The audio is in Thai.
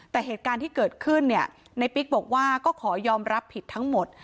แต่เหตุการณ์ที่เกิดขึ้นเนี่ยในปิ๊กบอกว่าก็ขอยอมรับผิดทั้งหมด